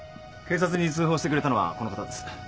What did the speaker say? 警察に通報してくれたのはこの方です。